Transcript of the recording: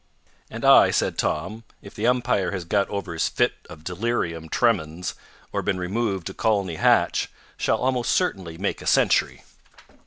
"And I," said Tom; "if the umpire has got over his fit of delirium tremens, or been removed to Colney Hatch, shall almost certainly make a century."